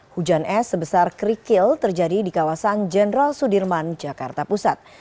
hujan es sebesar kerikil terjadi di kawasan jenderal sudirman jakarta pusat